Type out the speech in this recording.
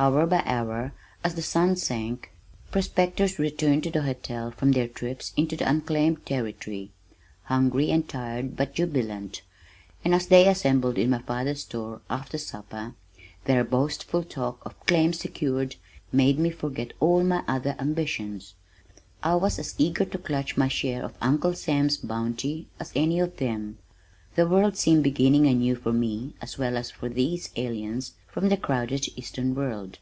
Hour by hour as the sun sank, prospectors returned to the hotel from their trips into the unclaimed territory, hungry and tired but jubilant, and as they assembled in my father's store after supper, their boastful talk of "claims secured" made me forget all my other ambitions. I was as eager to clutch my share of Uncle Sam's bounty as any of them. The world seemed beginning anew for me as well as for these aliens from the crowded eastern world.